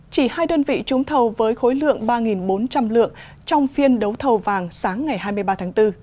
chỉ hai đơn vị trúng thầu với khối lượng ba bốn trăm linh lượng trong phiên đấu thầu vàng sáng ngày hai mươi ba tháng bốn